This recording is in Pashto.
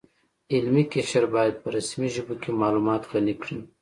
علمي قشر باید په رسمي ژبو کې معلومات غني کړي